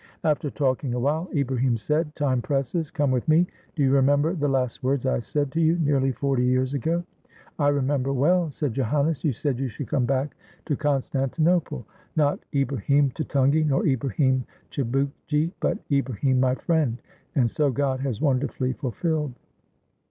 After talking a while Ibrahim said, "Time presses, come with me. Do your remember the last words I said to you nearly forty years ago?" "I remember well," said Joannes. "You said you should come back to 560 A TURKISH FRIENDSHIP Constantinople, not Ibrahim Tutungi nor Ibrahim Chibukgi, but Ibrahim my friend; and so God has wonderfully fulfilled!"